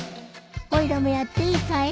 おいらもやっていいかい？